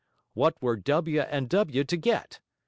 What were W. and W. to get?